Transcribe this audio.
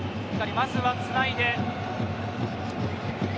まずは、つないで。